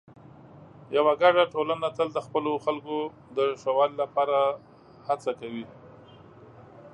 یوه ګډه ټولنه تل د خپلو خلکو د ښه والي لپاره هڅه کوي.